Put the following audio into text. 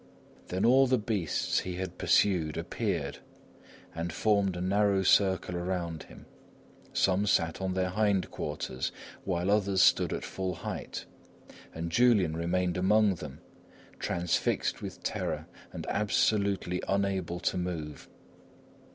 Then all the beasts he had pursued appeared, and formed a narrow circle around him. Some sat on their hindquarters, while others stood at full height. And Julian remained among them, transfixed with terror and absolutely unable to move.